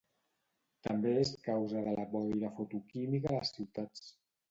També és causa de la boira fotoquímica a les ciutats.